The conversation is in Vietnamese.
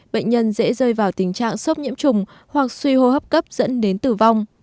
bệnh nhân dễ rơi vào tình trạng sốc nhiễm trùng hoặc suy hô hấp cấp dẫn đến tử vong